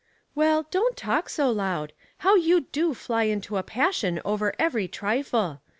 " Well, don't talk so loud. How you do fly into a passion over every trifle.